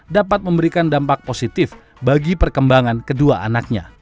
dapat memberikan dampak positif bagi perkembangan kedua anaknya